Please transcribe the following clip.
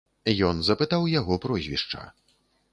Ён запытаў яго прозвішча.